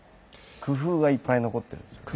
工夫がいっぱい残っているんですよね。